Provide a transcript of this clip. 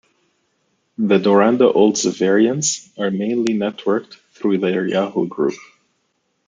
The Doranda Old Xaverians are mainly networked through their Yahoo group.